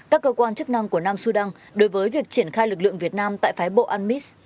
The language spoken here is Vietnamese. các cơ quan chức năng của nam sudan đối với việc triển khai lực lượng việt nam tại phái bộ anmis